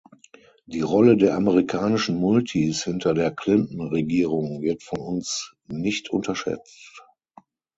Die Rolle der amerikanischen Multis hinter der Clinton-Regierung wird von uns nicht unterschätzt.